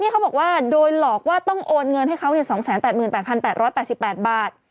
เขาบอกว่าโดยหลอกว่าต้องโอนเงินให้เขา๒๘๘๘บาท